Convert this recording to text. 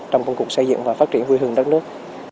trong công cục xây dựng và phát triển vui hương đất nước